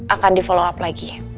akan di follow up lagi